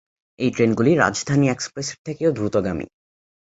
এই ট্রেনগুলি রাজধানী এক্সপ্রেসের থেকেও দ্রুতগামী।